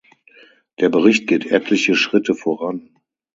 Der Bericht geht etliche Schritte voran.